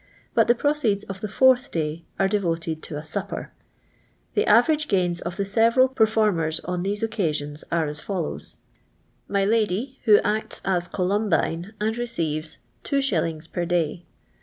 But the proceeds of the fourth day are devoted to a supper. The average gains of the several pei formers on these occasions are as follows :— My lady, who acts as Columbine, and receives .. 2s. per day.